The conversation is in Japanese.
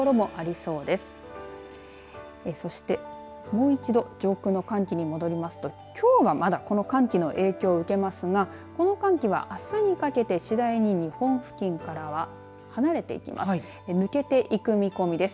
そして、もう一度上空の寒気に戻りますときょうはまだこの寒気の影響を受けますがこの寒気はあすにかけて次第に日本付近からは離れていきます。